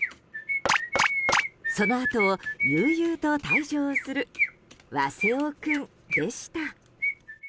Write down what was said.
そのあとを悠々と退場するわせぉ君でした。